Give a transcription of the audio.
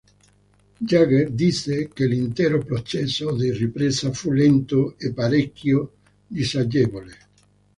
Jagger disse che l'intero processo di ripresa fu lento e parecchio disagevole.